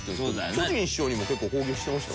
巨人師匠にも結構攻撃してましたもんね。